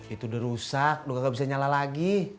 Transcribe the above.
itu udah rusak lo gak bisa nyala lagi